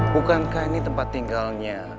bukankah ini tempat tinggalnya